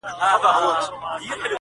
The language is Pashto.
چي لیدلی یې مُلا وو په اوبو کي،